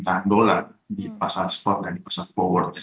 karena kita sudah menjaga dolar di pasar spot dan di pasar forward